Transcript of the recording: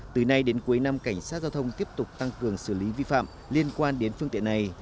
từ nay đến cuối năm cảnh sát giao thông tiếp tục tăng cường xử lý vi phạm liên quan đến phương tiện này